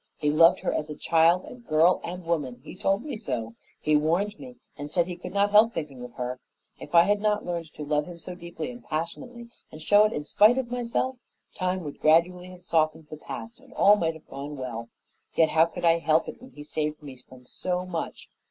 He loved her as a child and girl and woman he told me so; he warned me and said he could not help thinking of her. If I had not learned to love him so deeply and passionately and show it in spite of myself, time would gradually have softened the past and all might have gone well. Yet how could I help it when he saved me from so much?